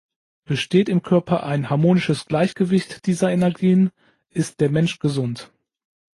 Besteht im Körper ein harmonisches Gleichgewicht dieser Energien, ist der Mensch gesund.